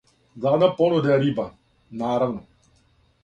Главна понуда је риба, наравно.